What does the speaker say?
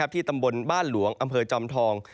ที่บ้านหลวงอำเภอจอมทอง